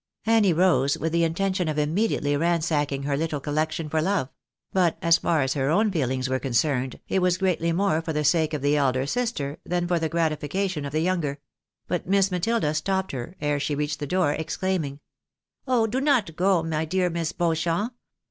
Annie rose with the intention of immediately ransacking her little collection for love ; but, as far as her own feelings were con cerned, it was greatly more for the sake of the elder sister, than for the gratification of the younger ; but Miss Matilda stopped her ere she reached the door, exclaiming —•" Oh ! do not go, my dear Miss Beauchamp